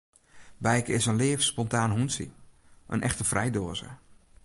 Bijke is in leaf, spontaan hûntsje, in echte frijdoaze.